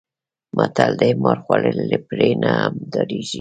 متل دی: مار خوړلی له پړي نه هم ډارېږي.